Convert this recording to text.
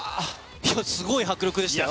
すごい迫力でしたよ。